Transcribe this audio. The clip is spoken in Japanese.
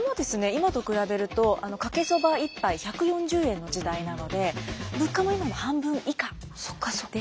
今と比べるとかけそば一杯１４０円の時代なので物価も今の半分以下でしたので。